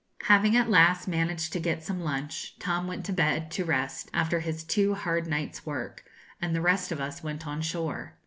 Having at last managed to get some lunch, Tom went to bed to rest, after his two hard nights' work, and the rest of us went on shore.